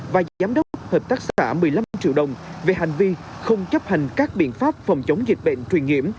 và giám đốc hợp tác xã một mươi năm triệu đồng về hành vi không chấp hành các biện pháp phòng chống dịch bệnh truyền nhiễm